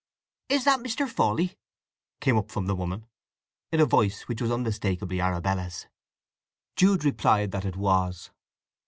"Is that Mr. Fawley?" came up from the woman, in a voice which was unmistakably Arabella's. Jude replied that it was.